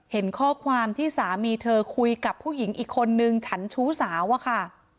เห็นข้อความที่สามีเธอคุยกับผู้หญิงอีกคนนึงฉันชู้สาวอะค่ะ